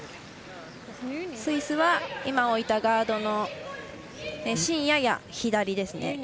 スイスは今、置いたガードの芯やや左ですね。